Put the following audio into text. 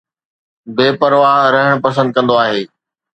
بي پرواهه رهڻ پسند ڪندو آهي